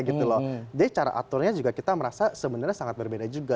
jadi cara aturnya juga kita merasa sebenarnya sangat berbeda juga